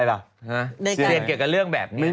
ทีกาละฮะทีกาละเซียนเกี่ยวกับเรื่องแบบนี้